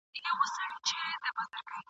یو ګړی یې خپل کورګی او ځنګل هېر کړ ..